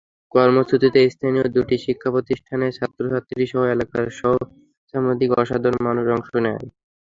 কর্মসূচিতে স্থানীয় দুটি শিক্ষাপ্রতিষ্ঠানের ছাত্রছাত্রীসহ এলাকার সহস্রাধিক সাধারণ মানুষ অংশ নেয়।